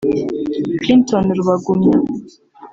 Clinton Rubagumya